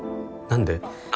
何で？